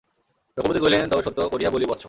রঘুপতি কহিলেন, তবে সত্য করিয়া বলি বৎস।